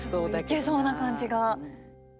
いけそうな感じが。